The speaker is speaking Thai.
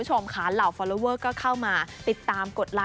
ใช่ขนาดตัวเองป่วยอยู่นะครับ